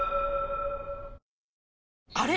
あれ？